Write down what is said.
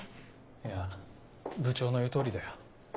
いや部長の言う通りだよ。